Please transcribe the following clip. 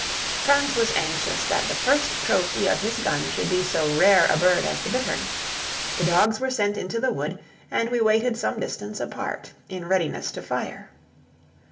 Franz was very anxious that the first trophy of his gun should be so rare a bird as the bittern; the dogs were sent into the wood, and we waited some distance apart, in readiness to fire.